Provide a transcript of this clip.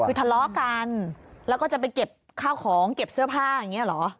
คือทะเลาะกันแล้วก็จะไปเก็บข้าวของเก็บเสื้อผ้าอย่างนี้เหรอ